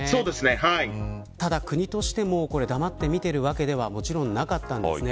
ただ国としても黙って見ているわけにはいかなかったんです。